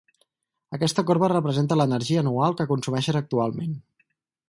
aquesta corba representa l'energia anual que consumeixes actualment